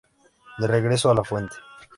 De regreso a la fuente.